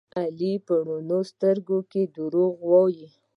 علي په رڼو سترګو کې دروغ وایي.